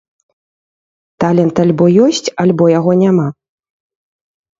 Талент альбо ёсць, альбо яго няма.